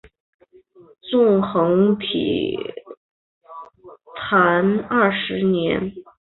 纵横体坛二十年。